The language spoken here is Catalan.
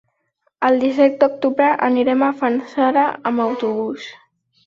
El disset d'octubre anirem a Fanzara amb autobús.